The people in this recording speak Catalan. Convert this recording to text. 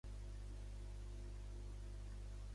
Russell se'n va d'hora, però decideix anar sol a un club gai.